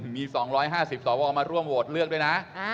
มี๒๕๐สวมาร่วมโหวตเลือกด้วยนะ